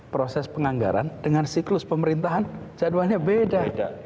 proses penganggaran dengan siklus pemerintahan jadwalnya beda